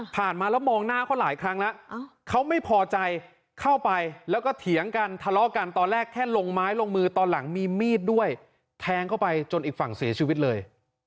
มาแล้วมองหน้าเขาหลายครั้งแล้วเขาไม่พอใจเข้าไปแล้วก็เถียงกันทะเลาะกันตอนแรกแค่ลงไม้ลงมือตอนหลังมีมีดด้วยแทงเข้าไปจนอีกฝั่งเสียชีวิตเลย